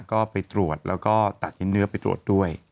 ก็ไปตรวจแล้วก็ตัดชิ้นเนื้อไปตรวจด้วย